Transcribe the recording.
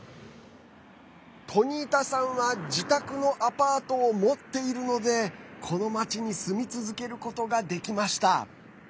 トニータさんは自宅のアパートを持っているのでこの街に住み続けることができました。